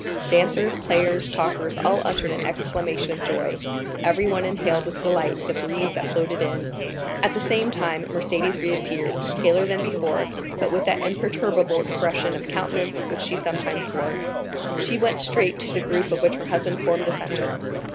Dancers, players, talkers, all uttered an exclamation of joy—everyone inhaled with delight the breeze that floated in. At the same time Mercédès reappeared, paler than before, but with that imperturbable expression of countenance which she sometimes wore. She went straight to the group of which her husband formed the centre.